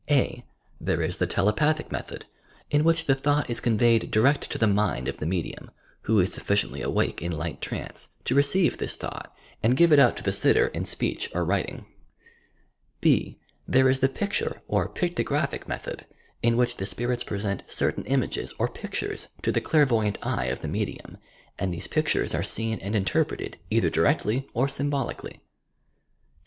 (a) There is the telepathic method, in which the thought is conveyed direct to the mind of the medium, who is sufficiently awake in light trtuice, to receive this thought and give it out to the sitter in speech or writing. (b) There is the picture or "pictographic" method, in which the spirits present certain images or pictures to the clairvoyant eye of the medium, and these pictures are seen and interpreted either directly or symbolically.